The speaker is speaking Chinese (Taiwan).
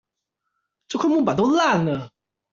這塊木板都爛了